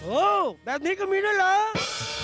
โอ้แบบนี้ก็มีนั่นเหรอ